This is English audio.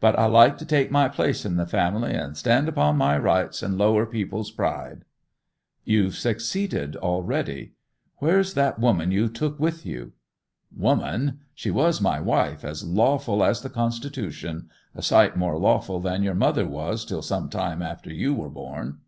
But I like to take my place in the family, and stand upon my rights, and lower people's pride!' 'You've succeeded already! Where's that woman you took with you—' 'Woman! She was my wife as lawful as the Constitution—a sight more lawful than your mother was till some time after you were born!